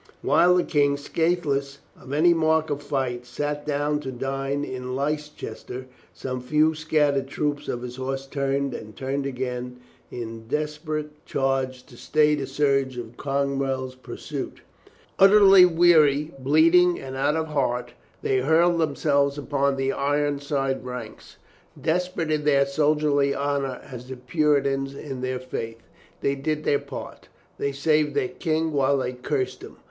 While the King, scathless of any mark of fight,, sat down to dine in Leicester, some few scattered troops of his horse turned and turned again in des 328 COLONEL GREATHEART perate charge to stay the surge of Cromwell's pur suit. Utterly weary, bleeding and out of heart, they hurled themselves upon the Ironside ranks, desper ate in their soldierly honor as the Puritans in their faith. They did their part. They saved their King while they cursed him.